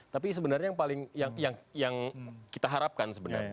tapi sebenarnya yang paling yang kita harapkan sebenarnya